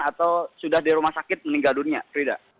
atau sudah di rumah sakit meninggal dunia frida